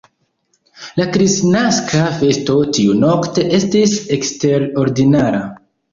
La Kristnaska festo tiunokte estis eksterordinara.